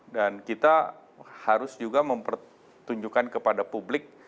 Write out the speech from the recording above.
dan kita harus juga mempertunjukkan kepada publik